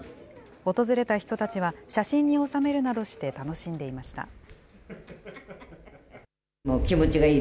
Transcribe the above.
訪れた人たちは写真に収めるなどして楽しんでいました。